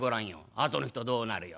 あとの人どうなるよ？